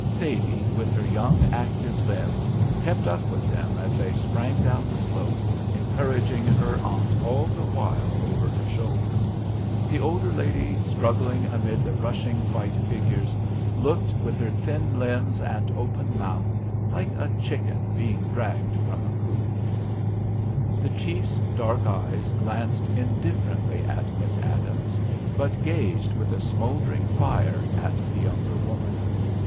Sadie, with her young, active limbs, kept up with them as they sprang down the slope, encouraging her aunt all the while over her shoulder. The older lady, struggling amid the rushing white figures, looked with her thin limbs and open mouth like a chicken being dragged from a coop. [Illustration: The party streamed into sight again p103] The chief's dark eyes glanced indifferently at Miss Adams, but gazed with a smouldering fire at the younger woman.